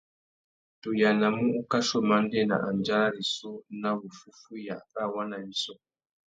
Tu yānamú ukachi umandēna andjara rissú nà wuffúffüiya râ waná wissú.